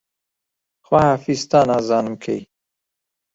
خواحافیز تا نازانم کەی